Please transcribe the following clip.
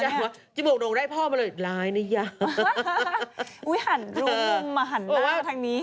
อุ้ยหันรูลงมาหันหน้ามาทางนี้